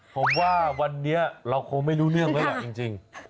ผมว่าวันนี้เราคงไม่รู้เรื่องแล้วล่ะจริง